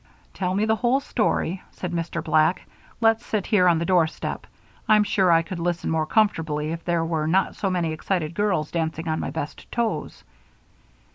"Tell me the whole story," said Mr. Black. "Let's sit here on the doorstep. I'm sure I could listen more comfortably if there were not so many excited girls dancing on my best toes."